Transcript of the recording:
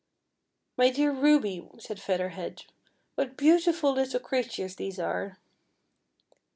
" My dear Ruby," said Feather Head, "what beautiful little creatures these are."